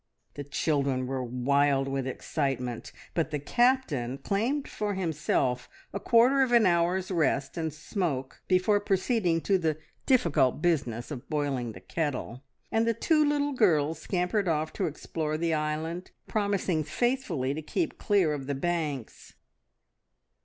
The children were wild with excitement, but the Captain claimed for himself a quarter of an hour's rest and smoke before proceeding to the difficult business of boiling the kettle; and the two little girls scampered off to explore the island, promising faithfully to keep clear of the banks.